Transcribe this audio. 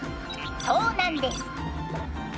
そうなんです。